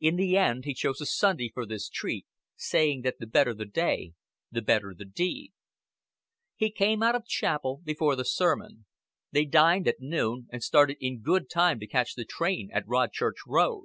In the end he chose a Sunday for this treat, saying that the better the day the better the deed. He came out of chapel before the sermon; they dined at noon, and started in good time to catch the train at Rodchurch Road.